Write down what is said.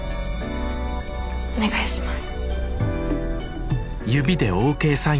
お願いします。